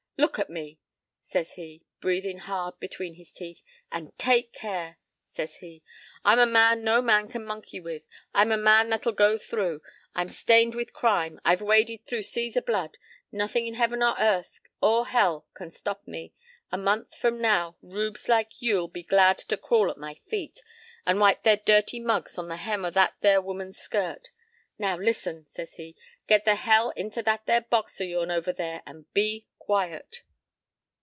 p> "'Look at me!' says he, breathin' hard between his teeth. 'And take care!' says he. 'I'm a man no man can monkey with. I'm a man that'll go through. I'm stained with crime. I've waded through seas o' blood. Nothin' in heaven or earth or hell can stop me. A month from now rubes like you'll be glad to crawl at my feet—an' wipe their dirty mugs on the hem o' that there woman's skirt.—Now listen,' says he. 'Get the hell into that there box o' yourn over there and be quiet.'